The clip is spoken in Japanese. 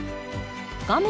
画面